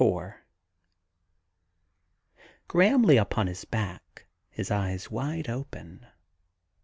28 IV •GRAHAM lay upon his back, his eyes wide open.